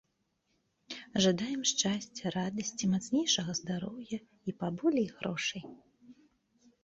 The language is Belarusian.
Жадаем шчасця, радасці, мацнейшага здароўя і паболей грошай!